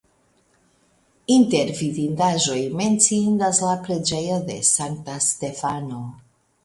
Inter vidindaĵoj menciindas la preĝejo de Sankta Stefano.